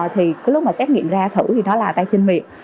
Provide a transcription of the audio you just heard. thì cái lúc mà xét nghiệm ra thử thì nó là tay chân miệng